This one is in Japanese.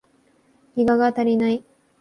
ギガが足りない